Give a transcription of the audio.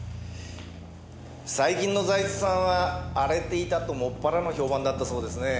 最近の財津さんは荒れていたともっぱらの評判だったそうですね。